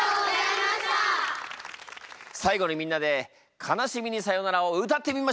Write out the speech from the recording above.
最後にみんなで「悲しみにさよなら」を歌ってみましょう！